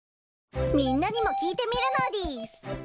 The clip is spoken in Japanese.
みんなにも聞いてみるのでぃす。